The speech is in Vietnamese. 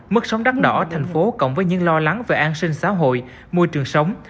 mức sống đắt đỏ ở thành phố cộng với những lo lắng về an sinh xã hội môi trường sống